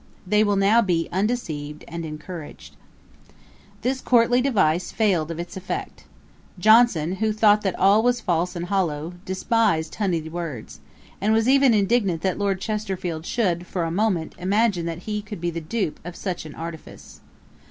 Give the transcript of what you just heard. They will now be undeceived and encouraged.' This courtly device failed of its effect. Johnson, who thought that 'all was false and hollow,' despised the honeyed words, and was even indignant that Lord Chesterfield should, for a moment, imagine that he could be the dupe of such an artifice.